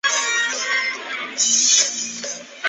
属绥越郡。